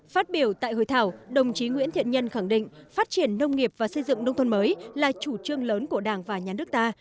phát biểu tại hội thảo đồng chí nguyễn thiện nhân khẳng định phát triển nông nghiệp và xây dựng nông thôn mới là chủ trương lớn của đảng và nhà nước ta